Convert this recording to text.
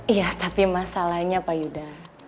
iya tapi masalahnya pak yuda